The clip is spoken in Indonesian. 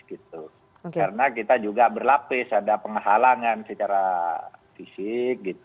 karena kita juga berlapis ada penghalangan secara fisik